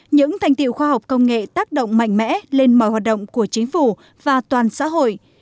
những thành tiệu khoa học công nghệ tác động mạnh mẽ lên mọi hoạt động của chính phủ và toàn xã hội